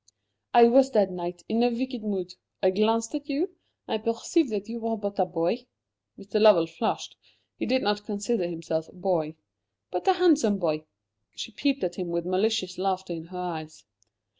"I was, that night, in a wicked mood. I glanced at you; I perceived that you were but a boy" Mr. Lovell flushed: he did not consider himself a boy "but a handsome boy." She peeped at him with malicious laughter in her eyes.